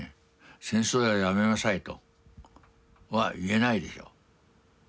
戦争はやめなさいとは言えないでしょう。